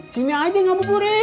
sini aja gak mau pulih